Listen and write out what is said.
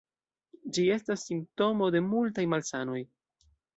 Ĝi estas simptomo de multaj malsanoj.